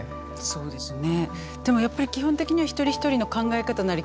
そうですね。